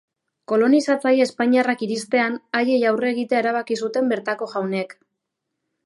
Kolonizatzaile espainiarrak iristean, haiei aurre egitea erabaki zuten bertako jaunek.